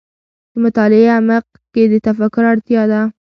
د مطالعې عمق کې د تفکر اړتیا ده.